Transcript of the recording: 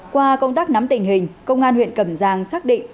qua công tác nắm tình hình công an huyện cẩm giang xác định